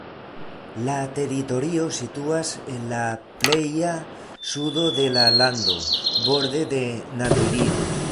La teritorio situas en la pleja sudo de la lando, borde de Namibio.